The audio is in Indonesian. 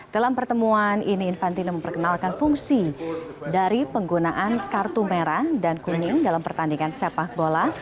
dalam pertemuan ini infantino memperkenalkan fungsi dari penggunaan kartu merah dan kuning dalam pertandingan sepak bola